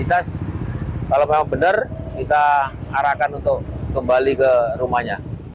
kalau memang benar kita arahkan untuk kembali ke rumahnya